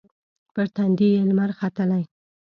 پر تندې یې لمر ختلي